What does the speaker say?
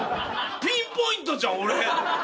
ピンポイントじゃん、俺。